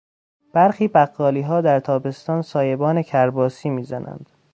برخی بقالیها در تابستان سایبان کرباسی میزنند.